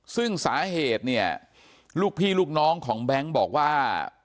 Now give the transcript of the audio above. ซึ่งสาเหตุเนี่ยลูกพี่ลูกน้องของแบงค์บอกว่า